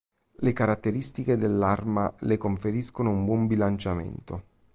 Le caratteristiche dell'arma le conferiscono un buon bilanciamento.